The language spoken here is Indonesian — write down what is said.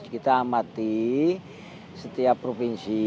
kita amati setiap provinsi